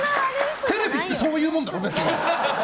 テレビってそういうもんだろ。